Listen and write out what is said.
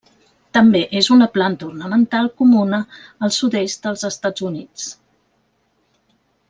També és una planta ornamental comuna al sud-est dels Estats Units.